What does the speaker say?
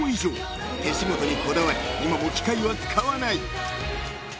［手仕事にこだわり今も機械は使わない］